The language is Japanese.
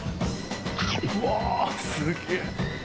・うわすげぇ・・